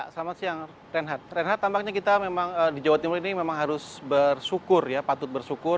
selamat siang renhat reinhard tampaknya kita memang di jawa timur ini memang harus bersyukur ya patut bersyukur